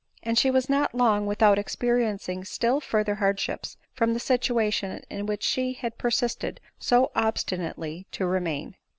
And she was not long without experiencing still further hardships •• from the situation in which she had persisted so obstinately to remain.